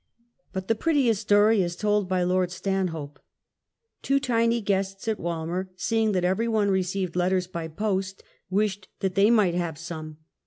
But the prettiest story is told by Lord Stanhope. Two tiny guests at Walmer, seeing that every one received letters by post, wished that they might have some.